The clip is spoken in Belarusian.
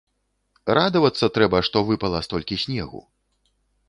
Радавацца трэба, што выпала столькі снегу.